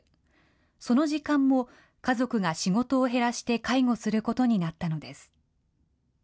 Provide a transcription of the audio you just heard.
その時間も家族が仕事を減らして介護することになったのです。